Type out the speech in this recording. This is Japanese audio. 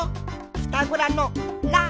ピタゴラの「ラ」。